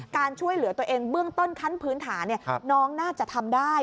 การช่วยเหลือตัวเองเบื้องต้นขั้นพื้นฐานน้องน่าจะทำได้